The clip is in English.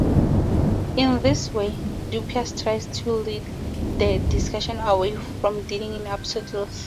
In this way, Dupuis tries to lead the discussion away from dealing in absolutes.